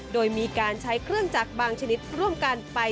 โดยมีการใช้เครื่องจักรบางชนิดร่วมกันไป